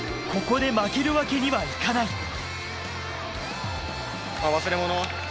ここで負けるわけにはいかない。